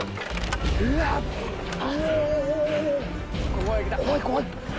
怖い怖い。